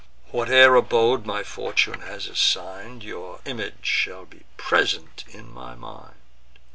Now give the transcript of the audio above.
Whate'er abode my fortune has assign'd, Your image shall be present in my mind."